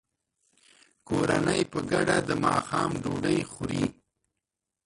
کورنۍ په ګډه د ماښام ډوډۍ خوري.